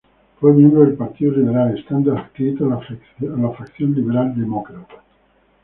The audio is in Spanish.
Fue miembro del Partido Liberal, estando adscrito a la facción liberal-demócrata.